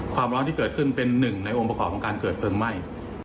ความร้อนที่เกิดขึ้นเป็นหนึ่งในองค์ประกอบของการเกิดเพลิงไหม้